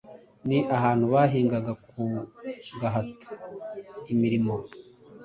ni ahantu bahingaga ku gahato imirimo